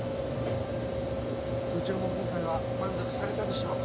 部長も今回は満足されたでしょう。